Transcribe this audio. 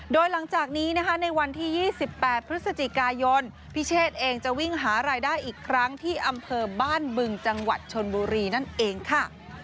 โดยหลังจากนี้นะคะในวันที่๒๘พฤศจิกายนพิเชษเองจะวิ่งหารายได้อีกครั้งที่อำเภอบ้านบึงจังหวัดชนบุรีนั่นเองค่ะ